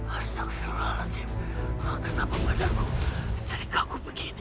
astagfirullahaladzim kenapa badanku jadi takut begini